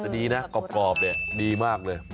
ดีนะกรอบดีมากเลย